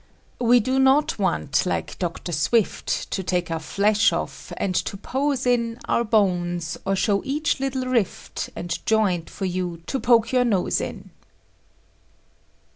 We do not want, like Dr. Swift To take our flesh off and to pose in Our bones, or show each little rift And joint for you to poke your nose in.